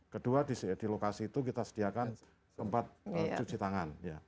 kedua di lokasi itu kita sediakan tempat cuci tangan